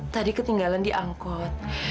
tadi ketinggalan di angkot